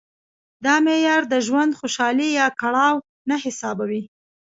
دا معیار د ژوند خوشالي یا کړاو نه حسابوي.